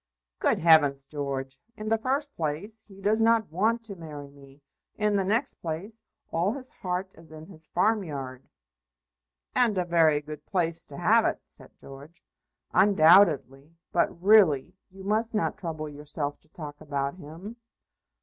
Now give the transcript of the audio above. "Good heavens, George! In the first place he does not want to marry me. In the next place all his heart is in his farmyard." "And a very good place to have it," said George. "Undoubtedly. But, really, you must not trouble yourself to talk about him."